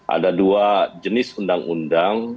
ada dua jenis undang undang